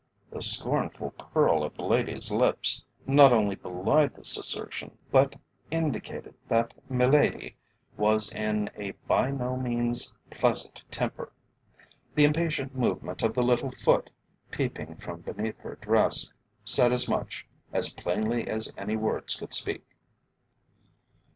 The scornful curl of the lady's lips not only belied this assertion, but indicated that miladi was in a by no means pleasant temper. The impatient movement of the little foot, peeping from beneath her dress, said as much, as plainly as any words could speak.